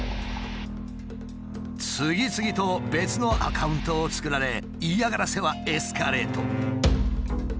次々と別のアカウントを作られ嫌がらせはエスカレート。